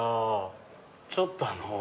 ちょっとあのう。